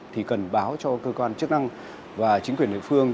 thì cần báo cho cơ quan chức năng và chính quyền địa phương